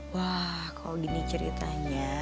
wah kalau gini ceritanya